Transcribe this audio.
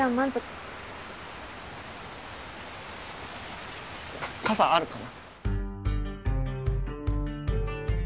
か傘あるかな？